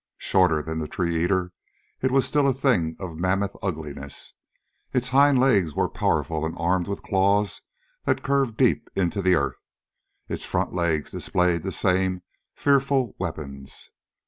Shorter than the tree eater, it was still a thing of mammoth ugliness. Its hind legs were powerful and armed with claws that curved deep into the earth; its front legs displayed the same fearful weapons.